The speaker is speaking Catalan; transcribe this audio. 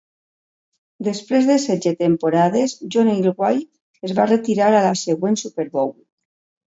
Després de setze temporades, John Elway es va retirar a la següent Super Bowl.